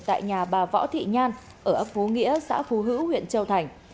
tại nhà bà võ thị nhan ở ấp phú nghĩa xã phú hữu huyện châu thành